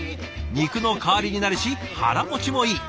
肉の代わりになるし腹持ちもいい。